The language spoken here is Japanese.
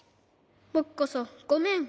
ぼくこそごめん。